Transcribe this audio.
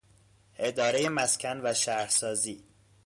ادارهٔ مسکن و شهرسازی